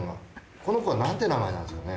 この子はなんて名前なんですかね？